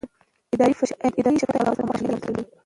اداري شفافیت د باور فضا او مشروعیت رامنځته کوي